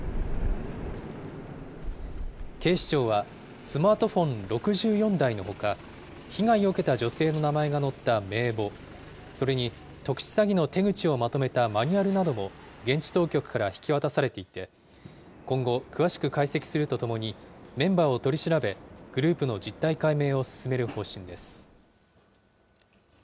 警視庁は、スマートフォン６４台のほか、被害を受けた女性の名前が載った名簿、それに特殊詐欺の手口をまとめたマニュアルなども現地当局から引き渡されていて、今後、詳しく解析するとともに、メンバーを取り調べ、グループの実態解明を進める方針です。